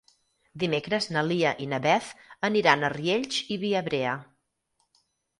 Dimecres na Lia i na Beth aniran a Riells i Viabrea.